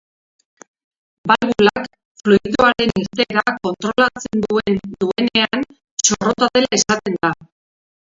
Balbulak fluidoaren irteera kontrolatzen duen duenean, txorrota dela esaten da.